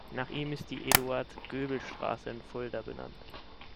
Nach ihm ist die "Eduard-Goebel-Straße" in Fulda benannt.